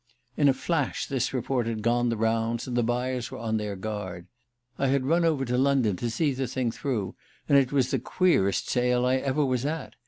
In a flash this report had gone the rounds and the buyers were on their guard. I had run over to London to see the thing through, and it was the queerest sale I ever was at.